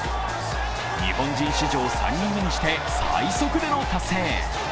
日本人史上３人目にして最速での達成。